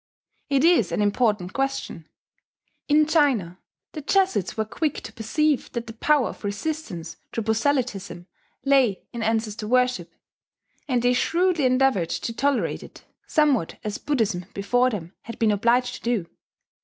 It is an important question. In China, the Jesuits were quick to perceive that the power of resistance to proselytism lay in ancestor worship; and they shrewdly endeavoured to tolerate it, somewhat as Buddhism before them had been obliged to do.